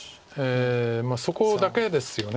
そこだけですよね。